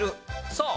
そう！